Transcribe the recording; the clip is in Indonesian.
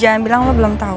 jangan bilang lo belum tau